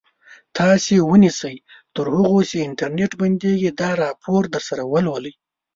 تاسو ونیسئ تر هغو چې انټرنټ بندېږي دا راپور درسره ولولئ.